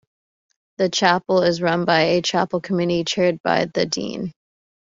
The Chapel is run by a Chapel Committee chaired by the Dean.